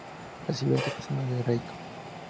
La sirviente personal de Reiko.